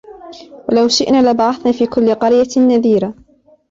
ولو شئنا لبعثنا في كل قرية نذيرا